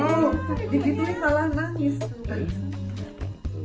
wow dikit ini malah nangis